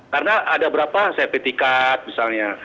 karena ada berapa cpt card misalnya